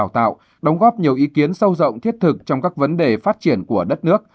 công nghiệp giáo dục đào tạo đóng góp nhiều ý kiến sâu rộng thiết thực trong các vấn đề phát triển của đất nước